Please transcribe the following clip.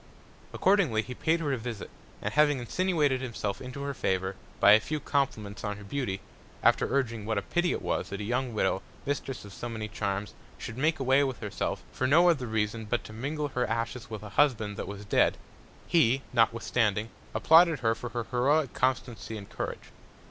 Accordingly he paid her a Visit, and having insinuated himself into her Favour, by a few Compliments on her Beauty, after urging what a pity it was, that a young Widow, Mistress of so many Charms, should make away with herself for no other reason but to mingle her Ashes with a Husband that was dead; he, notwithstanding, applauded her for her heroic Constancy and Courage.